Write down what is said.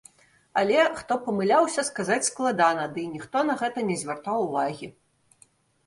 Але хто памыляўся, сказаць складана, дый ніхто на гэта не звяртаў увагі.